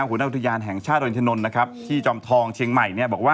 หัวหน้าวิทยาลแห่งชาติดรศนที่จำทองเชียงใหม่